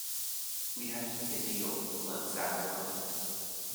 "We had to make a deal," Glen Sather claimed.